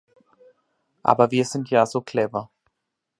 Aber wir sind ja so clever!